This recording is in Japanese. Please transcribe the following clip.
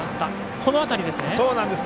この辺りですね。